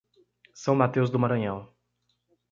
São Mateus do Maranhão